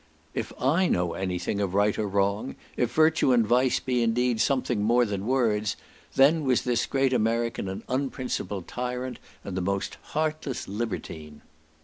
If I know anything of right or wrong, if virtue and vice be indeed something more than words, then was this great American an unprincipled tyrant, and most heartless libertine.